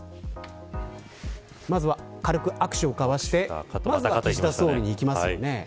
まずは軽く握手を交わしてまずは岸田総理にいきますよね。